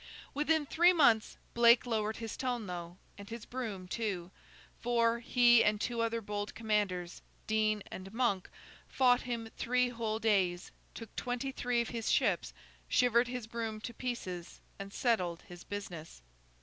Within three months, Blake lowered his tone though, and his broom too; for, he and two other bold commanders, Dean and Monk, fought him three whole days, took twenty three of his ships, shivered his broom to pieces, and settled his business.